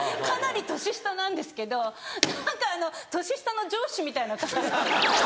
かなり年下なんですけど何かあの年下の上司みたいな感じ。